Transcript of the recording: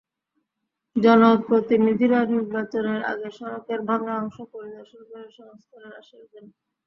জনপ্রতিনিধিরা নির্বাচনের আগে সড়কের ভাঙা অংশ পরিদর্শন করে সংস্কারের আশ্বাস দেন।